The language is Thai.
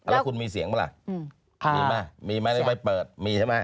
แล้วคุณมีเสียงไหมล่ะมีไหมมีไหมเปิดมีใช่ไหม